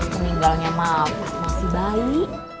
keninggalannya mah masih bayi